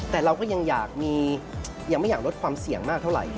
แต่เราก็ยังอยากลดความเสี่ยงมากเท่าไหร่